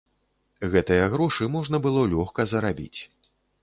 Гэтыя грошы можна было лёгка зарабіць.